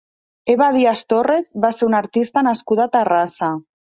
Eva Díaz Torres va ser una artista nascuda a Terrassa.